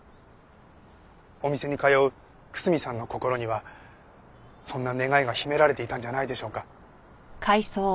お店に通う楠見さんの心にはそんな願いが秘められていたんじゃないでしょうか。